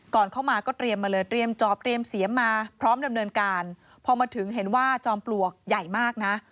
ก่อนเข้ามาก็เตรียมมาเลยเตรียมจอบเตรียมเสียมมาพร้อมดำเนินการพอมาถึงเห็นว่าจอมปลวกใหญ่มากนะ